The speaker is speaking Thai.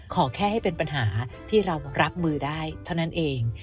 ขอแค่ให้เป็นปัญหาที่เรารับมือได้เท่านั้นเอง